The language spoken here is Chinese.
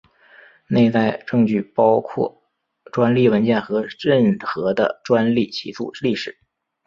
内在证据包括专利文件和任何的专利起诉历史。